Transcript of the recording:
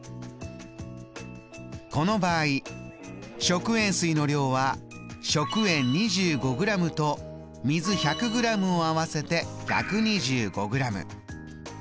この場合食塩水の量は食塩２５ｇと水１００ｇを合わせて１２５ｇ。